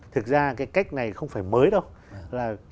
thực ra cái cách này không phải mới đâu